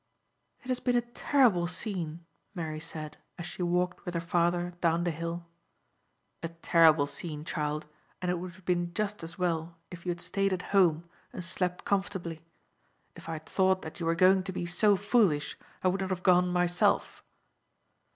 "It has been a terrible scene," Mary said, as she walked with her father down the hill. "A terrible scene, child, and it would have been just as well if you had stayed at home and slept comfortably. If I had thought that you were going to be so foolish, I would not have gone myself."